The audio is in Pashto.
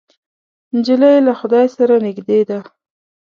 نجلۍ له خدای سره نږدې ده.